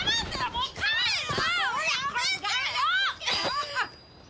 もう帰る！